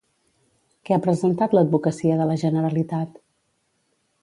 Què ha presentat l'advocacia de la Generalitat?